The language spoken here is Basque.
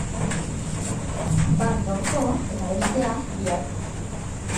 Bat gaurko eta beste biharko.